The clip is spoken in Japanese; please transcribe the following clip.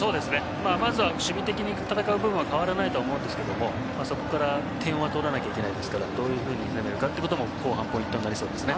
まずは守備的に戦う部分は変わらないと思いますがそこから点は取らなきゃいけないですからどういうふうに攻めるかもポイントになりそうですね。